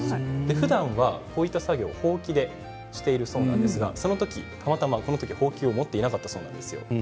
ふだんは、こういった作業をほうきでしているそうなんですがその時たまたまほうきを持っていなかったそうなんですよ。